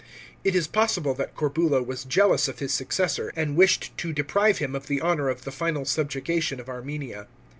It is possible that Corbulo was jealous of his successor, and wished to deprive him of the honour of the final subjugation of Armenia.